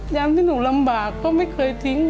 ที่หนูลำบากเขาไม่เคยทิ้ง